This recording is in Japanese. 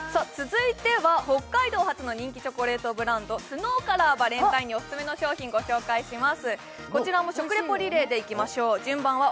続いては北海道発の人気チョコレートブランド・ＳＮＯＷＳからバレンタインにオススメの商品をご紹介します。